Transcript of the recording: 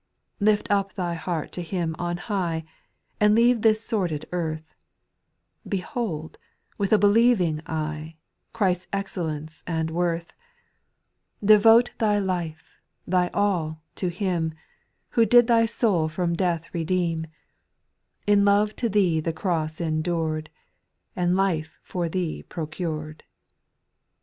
4. Lift up thy heart to Him on high, And leave this sordid earth ; Behold, with a believing eye, Christ's excellence and worth : SPIRITUA L SONGS, 8^1 Devote thy life, thy all, to Him, Who did thy soul from death redeem, In love to thee the cross endured, And life for thee procured.